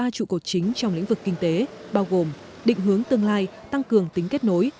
ba trụ cột chính trong lĩnh vực kinh tế bao gồm định hướng tương lai tăng cường tính kết nối